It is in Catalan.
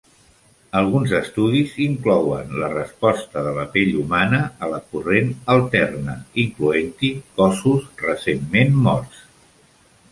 Alguns estudis inclouen la resposta de la pell humana a la corrent alterna, incloent-hi cossos recentment morts.